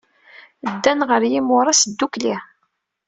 Ddan ɣer yimuras ddukkli.